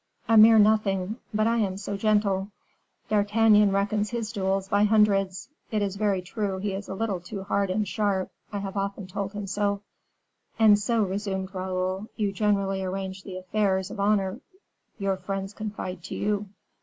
"A mere nothing; but I am so gentle. D'Artagnan reckons his duels by hundreds. It is very true he is a little too hard and sharp I have often told him so." "And so," resumed Raoul, "you generally arrange the affairs of honor your friends confide to you."